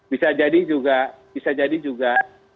bisa jadi juga